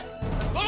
yang duanya watching